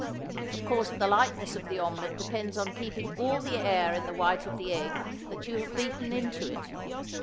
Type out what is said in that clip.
Of course the lightness of the omelette depends on keeping all the air in the white of the egg that you have beaten into it.